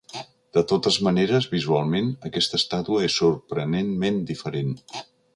De totes maneres, visualment, aquesta estàtua és sorprenentment diferent.